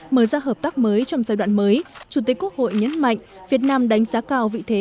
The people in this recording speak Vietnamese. mở ra hợp tác mới trong giai đoạn mới chủ tịch quốc hội nhấn mạnh việt nam đánh giá cao vị thế